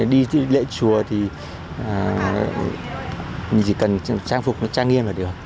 đi lễ chùa thì chỉ cần trang phục trang nghiêm là được